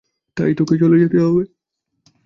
তাই তোকে চলে যেতে হবে।